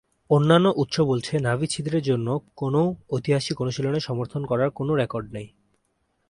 অন্যান্য উৎস বলছে নাভি ছিদ্রের জন্য কোনও ঐতিহাসিক অনুশীলনের সমর্থন করার কোনও রেকর্ড নেই।